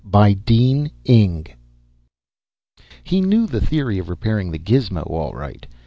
] _He knew the theory of repairing the gizmo all right.